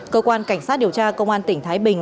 cơ quan cảnh sát điều tra công an tỉnh thái bình